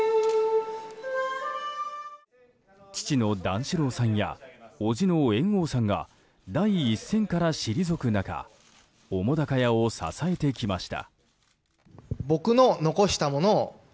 父の段四郎さんや伯父の猿翁さんが第一線から退く中澤瀉屋を支えてきました。